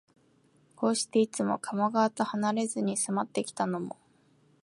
こうして、いつも加茂川とはなれずに住まってきたのも、